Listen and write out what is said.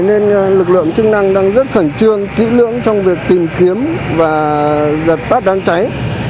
nên lực lượng chức năng đang rất khẩn trương kỹ lưỡng trong việc tìm kiếm và dập tắt đám cháy